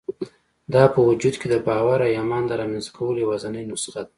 دا په وجود کې د باور او ايمان د رامنځته کولو يوازېنۍ نسخه ده.